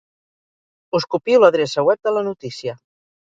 Us copio l'adreça web de la notícia.